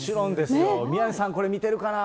宮根さん、これ、見てるかな。